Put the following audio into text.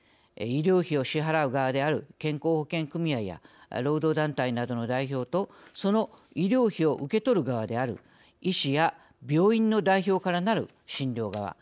医療費を支払う側である健康保険組合や労働団体などの代表とその医療費を受けとる側である医師や病院の代表からなる診療側。